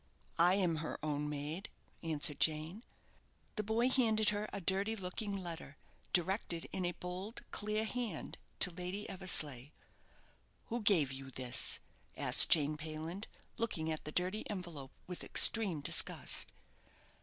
"I am her own maid," answered Jane. The boy handed her a dirty looking letter, directed, in a bold clear hand, to Lady Eversleigh. "Who gave you this?" asked Jane Payland, looking at the dirty envelope with extreme disgust.